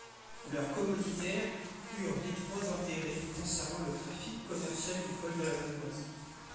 Leurs commoditaires eurent d'étroits intérêts concernant le trafic commercial du col de la Vanoise.